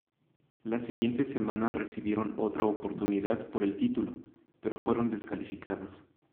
La siguiente semana recibieron otra oportunidad por el título, pero fueron descalificados.